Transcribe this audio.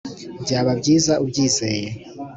byaba byiza ubyizeye